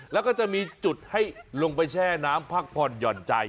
แล้วก็จะมีจุดให้ลงไปแช่น้ำพักผ่อนหย่อนใจ